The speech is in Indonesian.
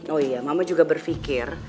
oh iya mama juga berpikir